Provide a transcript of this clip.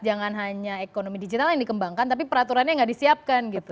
jangan hanya ekonomi digital yang dikembangkan tapi peraturannya yang tidak disiapkan